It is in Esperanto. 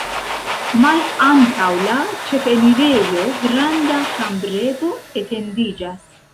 Malantaŭ la ĉefenirejo granda ĉambrego etendiĝas.